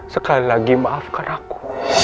sekali lagi maafkan aku